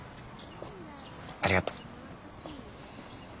ありがとう。